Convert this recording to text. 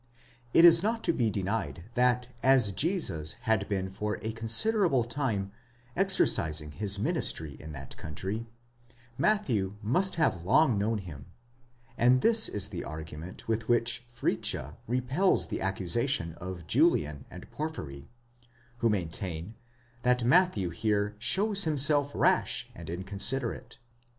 It is not to be denied, that as Jesus had been for a considerable time exercising his ministry in that country, Matthew must have long known him ; and this is the argument with which Fritzsche repels the accusation of Julian and Porphyry, who maintain that Matthew here shows himself rash and incon siderate.